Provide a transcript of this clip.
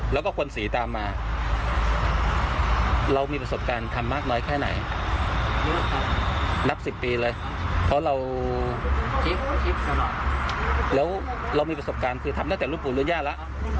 แล้วเรามีประสบการณ์คือทำตั้งแต่รูปภูมิรุญญาละ